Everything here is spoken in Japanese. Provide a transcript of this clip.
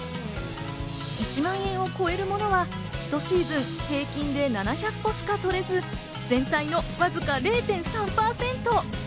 １万円を超えるものは、ひとシーズン平均で７００個しか取れず、全体のわずか０．３％。